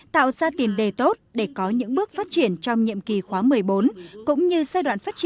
tạo ra tiền đề tốt để có những bước phát triển trong nhiệm ký khóa một mươi bốn